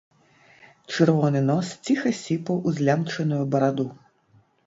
Чырвоны нос ціха сіпаў у злямчаную бараду.